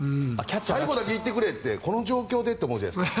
最後だけ行ってくれってこの状況でって思うじゃないですか。